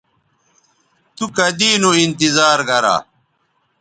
تو کدی نو انتظار گرا